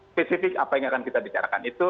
spesifik apa yang akan kita bicarakan itu